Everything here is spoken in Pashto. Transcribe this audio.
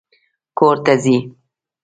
کور ته ځې!